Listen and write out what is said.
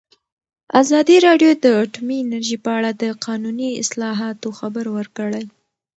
ازادي راډیو د اټومي انرژي په اړه د قانوني اصلاحاتو خبر ورکړی.